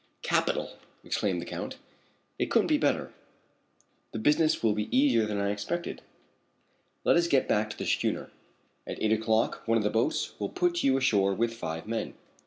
"Capital!" exclaimed the Count. "It couldn't be better. The business will be easier than I expected. Let us get back to the schooner. At eight o'clock one of the boats will put you ashore with five men."